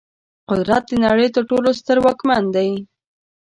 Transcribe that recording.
قدرت د نړۍ تر ټولو ستر واکمن دی.